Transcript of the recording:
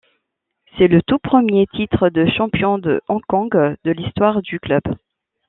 C'est le tout premier titre de champion de Hong Kong de l'histoire du club.